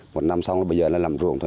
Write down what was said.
một năm xong bây giờ là làm ruộng thôi